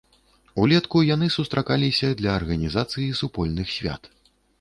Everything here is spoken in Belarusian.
Улетку яны сустракаліся для арганізацыі супольных свят.